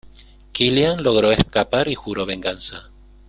Killian logró escapar y juró venganza.